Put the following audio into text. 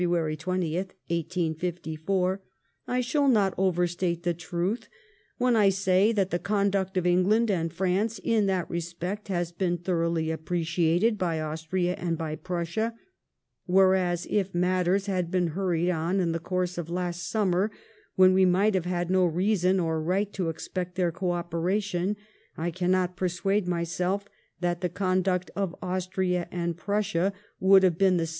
20th, 1854, ''I shall not overstate the truth when I say that the conduct of Eng* land and France in that respect has been thoroughly appreciated by Austria and by Prussia; whereas if matters had been hurried on in the course of last summer, when we might have had no reason or right to expect their co operation, I cannot persuade myself that the conduct of Austria and Prussia would have been tho THE ABERDEEN MINI8TBY.